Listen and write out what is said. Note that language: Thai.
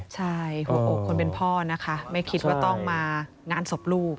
ใช่หัวอกคนเป็นพ่อนะคะไม่คิดว่าต้องมางานศพลูก